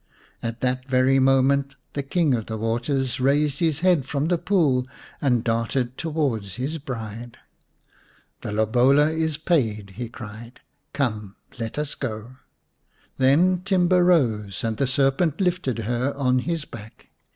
At that very moment the King of the Waters raised his head from the pool and darted to wards his bride. " The lobola is paid," he cried. " Come, let us go." Then Timba rose and the serpent lifted her on his back.